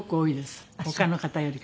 他の方よりかね。